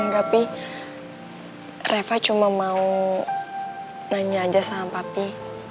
enggak pih reva cuma mau nanya aja sama papi